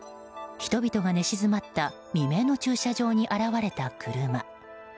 人々が寝静まった未明の駐車場に現れた車。